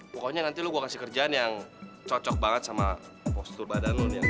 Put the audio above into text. pokoknya nanti gue kasih lo kerjaan yang cocok banget sama postur badan lo